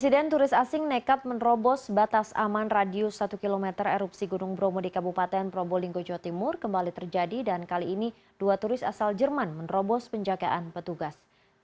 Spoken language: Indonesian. presiden turis asing nekat menerobos batas aman radius satu km erupsi gunung bromo di kabupaten probolinggo jawa timur kembali terjadi dan kali ini dua turis asal jerman menerobos penjagaan petugas